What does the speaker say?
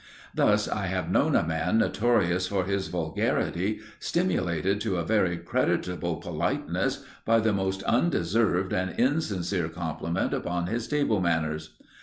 Thus I have known a man notorious for his vulgarity stimulated to a very creditable politeness by the most undeserved and insincere compliment upon his table manners.